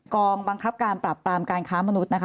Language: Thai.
กองบังคับการปรับปรามการค้ามนุษย์นะคะ